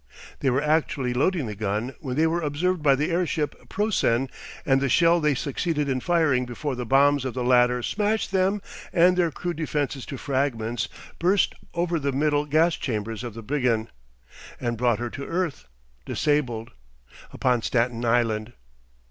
They were actually loading the gun when they were observed by the airship Preussen and the shell they succeeded in firing before the bombs of the latter smashed them and their crude defences to fragments, burst over the middle gas chambers of the Bingen, and brought her to earth, disabled, upon Staten Island.